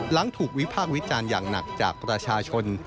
หลังถูกวิพากษ์วิจารณ์อย่างหนักจากประชาชน